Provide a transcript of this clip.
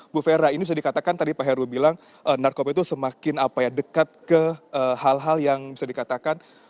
bu vera ini bisa dikatakan tadi pak heru bilang narkoba itu semakin dekat ke hal hal yang bisa dikatakan